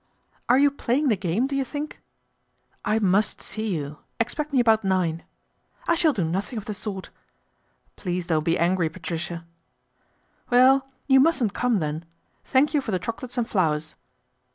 " Are you playing the game, do you think ?" I must see you. Expect me about nine." " I shall do nothing of the sort." " Please don't be angry, Patricia." 'Well! you mustn't come, then. Thank you for the chocolates and flowers."